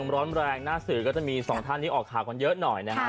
ร้อนแรงหน้าสื่อก็จะมีสองท่านที่ออกข่าวกันเยอะหน่อยนะฮะ